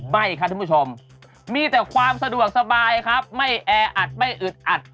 ไม่ครับท่านผู้ชมมีแต่ความสะดวกสบายครับไม่แออัดไม่อึดอัด